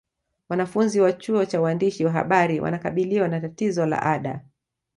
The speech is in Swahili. Wanafunzi wa chuo cha uandishi wa habari wanakabiliwa na tatizo la ada